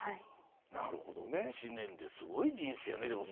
１年ですごい人生よね。